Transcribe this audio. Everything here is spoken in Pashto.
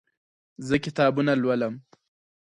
زه کتابونه لولم